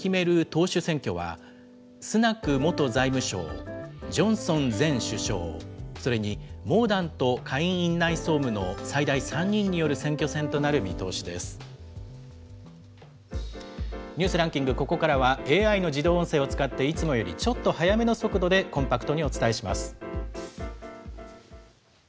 党首選挙は、スナク元財務相、ジョンソン前首相、それにモーダント下院院内総務の最大３人による選挙戦となる見通ニュースランキング、ここからはＡＩの自動音声を使って、いつもよりちょっと速めの速度でコンパクトにお伝えします。